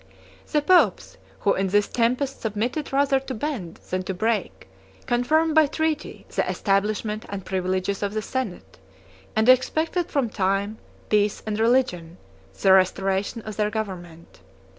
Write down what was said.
The popes, who in this tempest submitted rather to bend than to break, confirmed by treaty the establishment and privileges of the senate, and expected from time, peace, and religion, the restoration of their government.